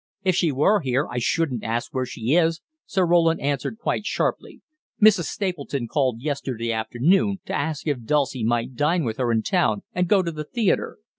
"If she were here I shouldn't ask where she is," Sir Roland answered quite sharply. "Mrs. Stapleton called yesterday afternoon to ask if Dulcie might dine with her in town and go to the theatre.